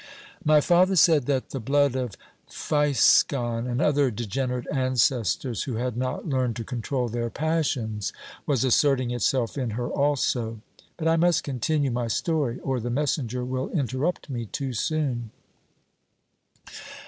"My father said that the blood of Physkon and other degenerate ancestors, who had not learned to control their passions, was asserting itself in her also. But I must continue my story, or the messenger will interrupt me too soon.